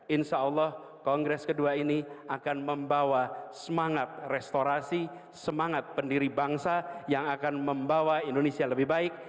insya allah kongres kedua ini akan membawa semangat restorasi semangat pendiri bangsa yang akan membawa indonesia lebih baik